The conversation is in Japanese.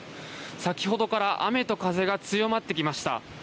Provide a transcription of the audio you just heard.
先ほどから雨と風が強まってきました。